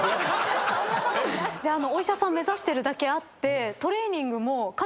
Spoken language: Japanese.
お医者さん目指してるだけあって。